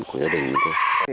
của gia đình mình